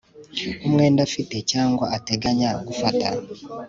umwenda afite cyangwa ateganya gufata